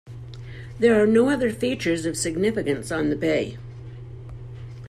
There are no other features of significance on the bay.